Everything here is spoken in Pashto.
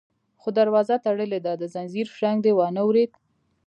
_خو دروازه تړلې ده، د ځنځير شرنګ دې وانه ورېد؟